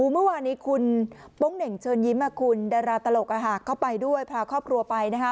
เมื่อวานนี้คุณโป๊งเหน่งเชิญยิ้มคุณดาราตลกเข้าไปด้วยพาครอบครัวไปนะคะ